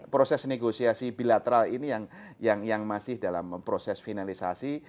proses negosiasi bilateral ini yang masih dalam proses finalisasi